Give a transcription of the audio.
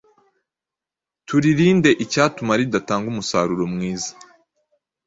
Turirinde icyatuma ridatanga umusaruro mwiza.